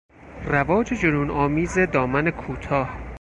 رواج جنون آمیز دامن کوتاه